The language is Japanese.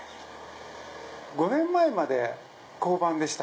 ５年前まで交番でした。